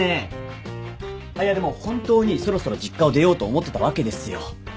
あっいやでも本当にそろそろ実家を出ようと思ってたわけですよ。